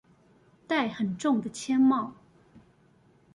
戴很重的鉛帽